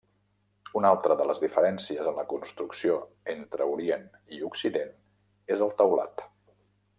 Una altra de les diferències en la construcció entre orient i occident és el teulat.